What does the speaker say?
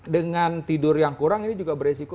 dengan tidur yang kurang ini juga beresiko